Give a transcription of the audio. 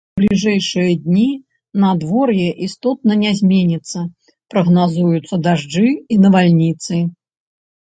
У бліжэйшыя дні надвор'е істотна не зменіцца, прагназуюцца дажджы і навальніцы.